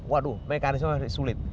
waduh mekanisme sulit